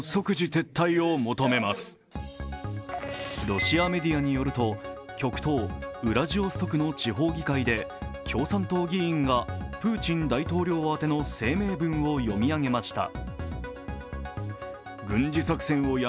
ロシアメディアによると極東ウラジオストクの地方議会で共産党議員がプーチン大統領宛ての声明文を読み上げました。